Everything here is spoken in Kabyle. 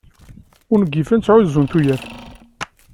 Ungifen ttɛuzzun tuyat.